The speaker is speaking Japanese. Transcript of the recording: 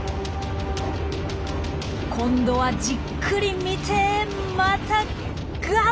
今度はじっくり見てまたガブリ！